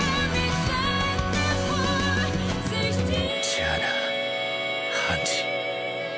じゃあなハンジ。